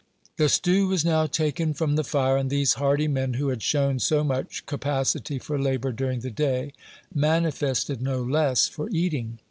The stew was now taken from the fire, and these hardy men, who had shown so much capacity for labor during the day, manifested no less for eating.